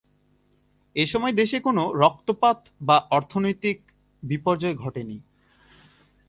এসময় দেশে কোন রক্তপাত বা অর্থনৈতিক বিপর্যয় ঘটেনি।